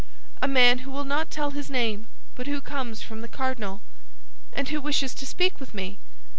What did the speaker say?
"A man who will not tell his name, but who comes from the cardinal." "And who wishes to speak with me?"